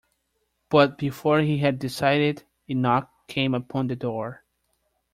But before he had decided a knock came upon the door.